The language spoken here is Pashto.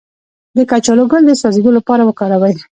د کچالو ګل د سوځیدو لپاره وکاروئ